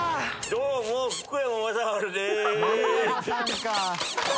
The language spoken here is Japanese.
どうも福山雅治です